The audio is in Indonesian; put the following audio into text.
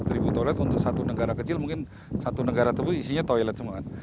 satu ribu toilet untuk satu negara kecil mungkin satu negara tersebut isinya toilet semua kan